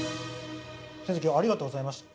先生今日はありがとうございました。